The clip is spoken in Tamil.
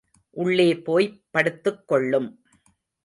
உள்ளே போய்ப் படுத்துக்கொள்ளும்.